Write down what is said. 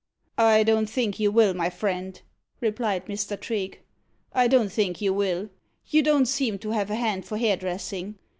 "I don't think you will, my friend," replied Mr. Trigge; "I don't think you will. You don't seem to have a hand for hairdressing.